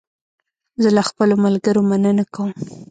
زه له خپلو ملګرو مننه کوم.